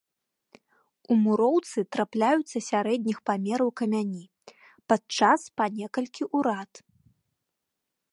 У муроўцы трапляюцца сярэдніх памераў камяні, падчас па некалькі ў рад.